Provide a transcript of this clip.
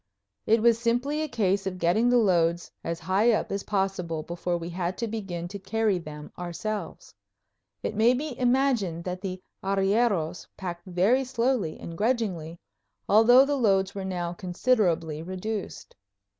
It was simply a case of getting the loads as high up as possible before we had to begin to carry them ourselves. It may be imagined that the arrieros packed very slowly and grudgingly, although the loads were now considerably reduced.